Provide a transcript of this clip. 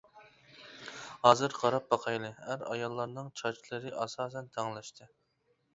ھازىر قاراپ باقايلى: ئەر-ئاياللارنىڭ چاچلىرى ئاساسەن تەڭلەشتى.